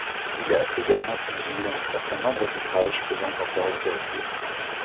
Il a également publié un certain nombre d'ouvrages faisant encore autorité.